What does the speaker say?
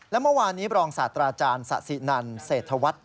และเมื่อวานนี้บรองศาสตราจารย์สะสินันเศรษฐวัฒน์